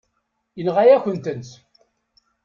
Yenɣa-yakent-tent.